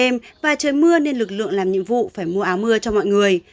mưa nên lực lượng làm nhiệm vụ phải mua áo mưa cho mọi người